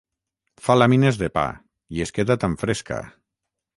Fa làmines de pa, i es queda tan fresca.